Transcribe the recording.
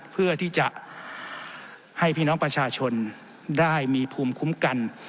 เพื่อที่จะให้พี่น้องประชาชนได้มีภูมิคุ้มกัน